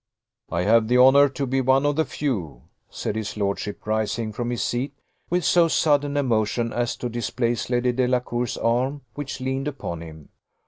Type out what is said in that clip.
"I have the honour to be one of the few," said his lordship, rising from his seat with so sudden a motion as to displace Lady Delacour's arm which leaned upon him.